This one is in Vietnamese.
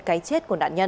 cái chết của đạn nhân